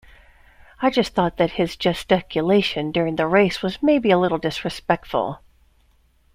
I just thought that his gesticulation during the race was maybe a little disrespectful.